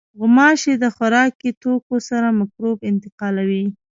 غوماشې د خوراکي توکو سره مکروب انتقالوي.